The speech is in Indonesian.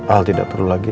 al tidak perlu lagi